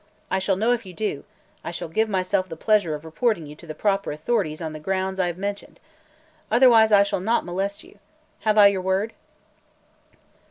I shall know if you do, and I shall give myself the pleasure of reporting you to the proper authorities on the grounds I have mentioned. Otherwise, I shall not molest you. Have I your word?"